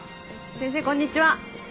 先生こんにちは。